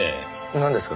なんですか？